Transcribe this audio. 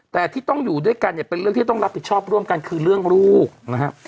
แต่ที่ต้องอยู่ด้วยกันเนี่ยเป็นเรื่องที่ต้องรับผิดชอบร่วมกันคือเรื่องลูกนะฮะ